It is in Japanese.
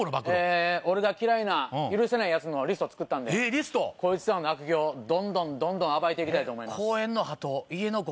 俺が嫌いな許せない奴のリスト作ったんでこいつらの悪行どんどん暴いて行きたいと思います。